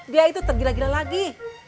dia itu tergila gila lagi